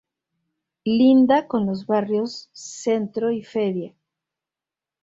Linda con los barrios Centro y Feria.